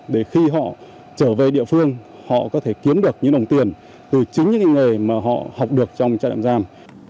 để khi họ trở về địa phương họ có thể kiếm được những đồng tiền từ chính những nghề mà họ học được trong trại tạm giam